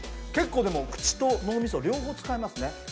結構でも口と脳みそ両方使いますね。